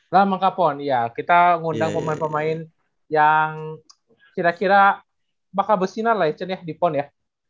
dalam rangka pon iya kita ngundang pemain pemain yang kira kira bakal bersinar lah echen ya di pon ya